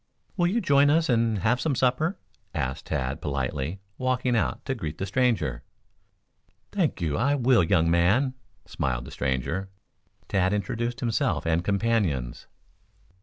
"Will you join us and have some supper?" asked Tad politely, walking out to greet the stranger. "Thank you; I will, young man," smiled the stranger. Tad introduced himself and companions.